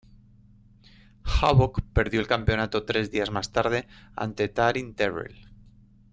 Havok perdió el campeonato tres días más tarde ante Taryn Terrell.